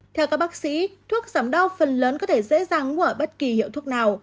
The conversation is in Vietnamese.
theo các bác sĩ thuốc giảm đau phần lớn có thể dễ dàng mua ở bất kỳ hiệu thuốc nào